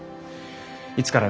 いつからだ？